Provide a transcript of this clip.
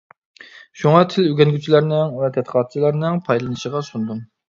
شۇڭا تىل ئۆگەنگۈچىلەرنىڭ ۋە تەتقىقاتچىلارنىڭ پايدىلىنىشىغا سۇندۇم.